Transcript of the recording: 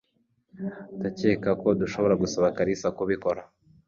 Ndakeka ko dushobora gusaba kalisa kubikora.